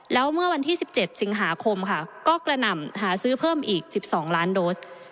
แล้วเมื่อวันที่๑๗สิงหาคมค่ะก็กระหน่ำหาซื้อเพิ่มอีก๑๒ล้านโดส